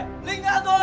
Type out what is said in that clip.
linh hãy ra bed